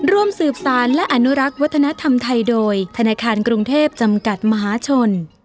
ร่วมสืบสารและอนุรักษ์วัฒนธรรมไทยโดยธนาคารกรุงเทพจำกัดมหาชน